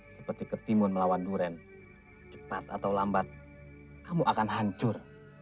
seperti ketimun melawan duren cepat atau lambat kamu akan hancur